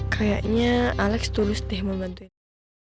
kayaknya alex tulus deh membantu